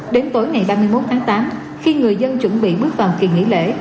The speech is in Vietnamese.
đến tối ngày ba mươi một tháng tám khi người dân chuẩn bị bước vào kỳ nghỉ lễ